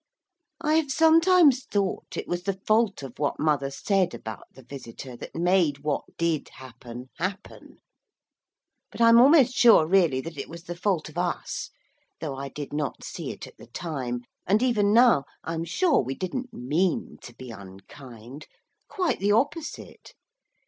I have sometimes thought it was the fault of what mother said about the visitor that made what did happen happen, but I am almost sure really that it was the fault of us, though I did not see it at the time, and even now I'm sure we didn't mean to be unkind. Quite the opposite.